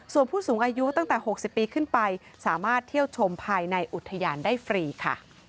ส่วนผู้สูงอายุตั้งแต่๖๐ปีขึ้นไปสามารถเที่ยวชมภายในอุทยานได้ฟรีค่ะ